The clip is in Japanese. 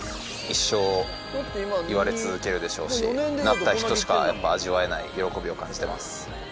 一生言われ続けるでしょうしなった人しかやっぱ味わえない喜びを感じてます